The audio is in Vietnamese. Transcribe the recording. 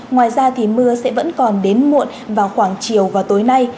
ngoài ra thì mưa sẽ vẫn còn đến muộn vào khoảng chiều và tối nay